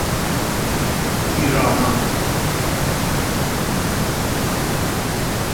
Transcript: ایرانا